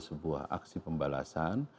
sebuah aksi pembalasan